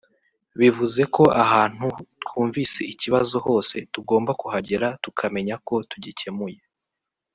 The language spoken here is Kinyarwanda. Bivuze ko ahantu twumvise ikibazo hose tugomba kuhagera tukamenya ko tugikemuye